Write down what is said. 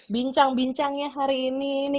bincang bincangnya hari ini